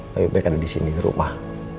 lebih baik ada disini rumah